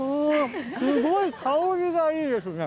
すごい香りがいいですね。